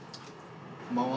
こんばんは。